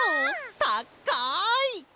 たっかい！